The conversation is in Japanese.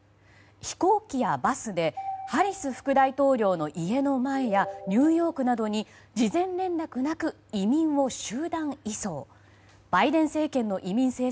飛行機やバスでハリス副大統領の家の前やニューヨークなどに事前連絡なく移民を集団移送。